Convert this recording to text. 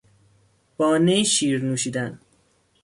با نی شیر نوشیدن